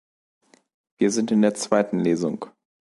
Wir sind in der zweiten Lesung!